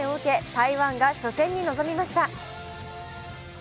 台湾が初戦に臨みました。